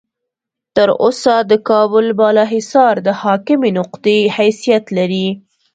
تر اوسه د کابل بالا حصار د حاکمې نقطې حیثیت لري.